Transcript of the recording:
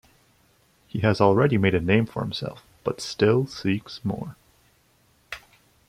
He has already made a name for himself but still seeks more.